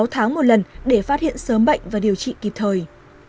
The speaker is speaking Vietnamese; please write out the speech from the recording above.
sáu tháng một lần để phát hiện sớm bệnh và điều trị kịp thời